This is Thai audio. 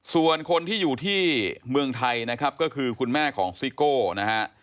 ส่วนคนที่อยู่ที่เมืองไทยนะครับก็คือคุณแม่ของซิโก้นะฮะ